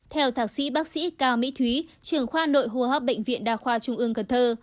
theo thạc sĩ bác sĩ cao mỹ thúy trưởng khoa nội hô hấp bệnh viện đa khoa trung ương cần thơ